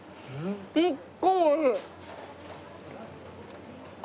すっごいおいしい。